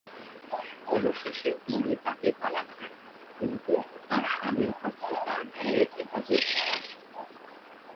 অবশেষে তিনি তাকে তালাক দেন, কিন্তু তার স্বামীর কাছে তার মেয়ের হেফাজত হারান।